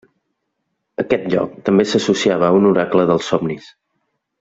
Aquest lloc també s'associava a un oracle dels somnis.